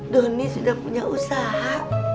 doni sudah punya usaha